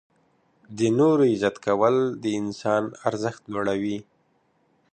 • د نورو عزت کول د انسان ارزښت لوړوي.